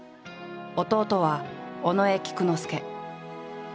弟は尾上菊之助。